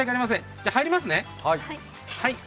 じゃ、入りますね。